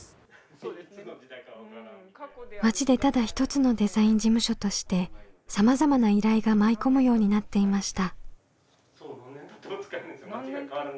町でただ一つのデザイン事務所としてさまざまな依頼が舞い込むようになっていました。